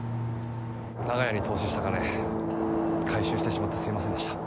長屋に投資した金回収してしまってすいませんでした。